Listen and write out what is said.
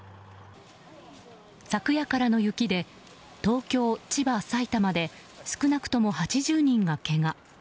昨夜からの雪で東京、千葉、埼玉で少なくとも８０人がけが。